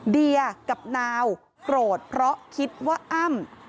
เดียกับนาวโกรธเพราะคิดว่าอ้ำ